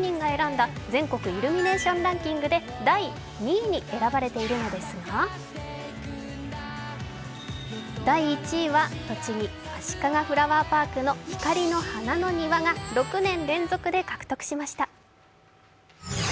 人が選んだ全国イルミネーションランキングで第２位に選ばれているのですが第１位は栃木あしかがフラワーパークの光の花の庭が６年連続で獲得しました。